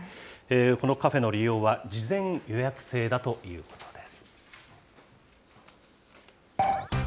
このカフェの利用は、事前予約制だということです。